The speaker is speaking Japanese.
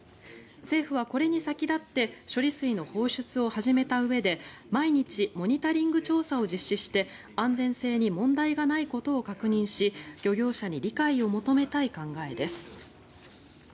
政府はこれに先立って処理水の放出を始めたうえで毎日モニタリング調査を実施して安全性に問題がないことを確認し漁業者に理解を求めたい考えです。